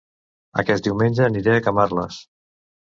Aquest diumenge aniré a Camarles